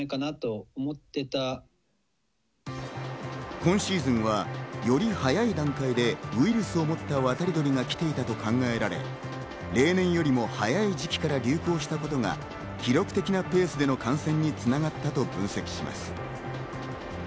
今シーズンはより早い段階でウイルスを持った渡り鳥が来ていたと考えられ、例年よりも早い時期から流行したことが記録的なペースでの感染に繋がったと分析します。